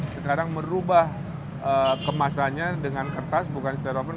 sekarang merubah kemasannya dengan kertas bukan stereover